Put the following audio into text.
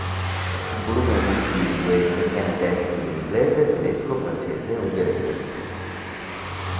Il volume è multilingue e contiene testi in inglese, tedesco, francese e ungherese.